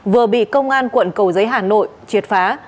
vừa bị công an quận cầu giấy hà nội triệt phá